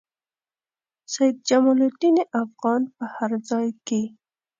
سید جمال الدین افغاني په هر ځای کې.